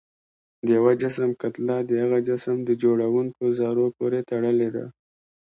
د یو جسم کتله د هغه جسم د جوړوونکو ذرو پورې تړلې ده.